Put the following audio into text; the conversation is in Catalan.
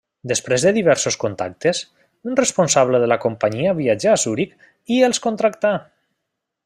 Després de diversos contactes, un responsable de la companyia viatjà a Zuric i els contractà.